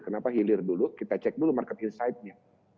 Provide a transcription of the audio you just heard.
kenapa hilir dulu kita cek dulu market insight nya